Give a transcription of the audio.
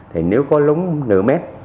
thì nếu có lúng nửa mét